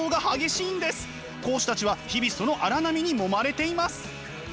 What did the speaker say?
講師たちは日々その荒波にもまれています。